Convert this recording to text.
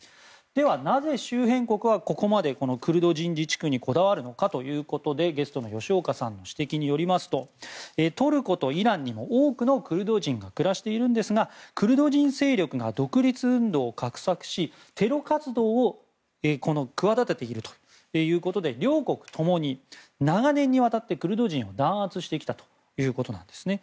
ではなぜ周辺国はここまでクルド人自治区にこだわるかということでゲストの吉岡さんの指摘によりますとトルコとイランにも多くのクルド人が暮らしていますがクルド人勢力が独立運動を画策しテロ活動を企てているということで両国共に長年にわたって、クルド人を弾圧してきたということです。